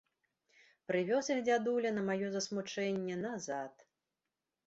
Прывёз іх дзядуля, на маё засмучэнне, назад.